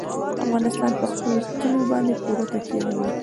افغانستان په خپلو کلیو باندې پوره تکیه لري.